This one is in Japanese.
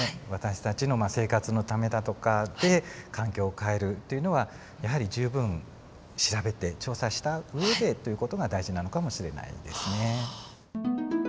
私たちの生活のためだとかで環境を変えるっていうのはやはり十分調べて調査した上でという事が大事なのかもしれないですね。